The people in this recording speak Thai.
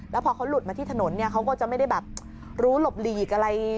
แล้วพอเขาหลุดมาที่ถนนเนี่ยเขาก็จะไม่ได้แบบรู้หลบหลีกอะไร